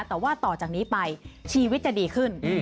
แต่ว่าต่อจากนี้ไปชีวิตจะดีขึ้น